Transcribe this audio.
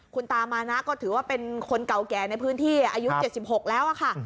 คุณตามานะก็ถือว่าเป็นคนเก่าแก่ในพื้นที่อายุ๗๖แล้วค่ะ